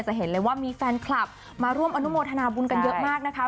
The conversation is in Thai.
เห็นเลยว่ามีแฟนคลับมาร่วมอนุโมทนาบุญกันเยอะมากนะคะ